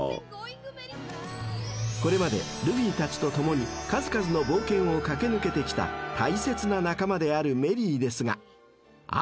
［これまでルフィたちと共に数々の冒険を駆け抜けてきた大切な仲間であるメリーですがある日］